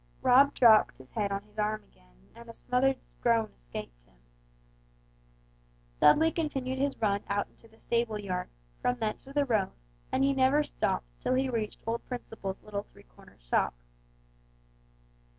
Rob dropped his head on his arms again and a smothered groan escaped him. Dudley continued his run out into the stableyard, from thence to the road, and he never stopped till he reached old Principle's little three cornered shop.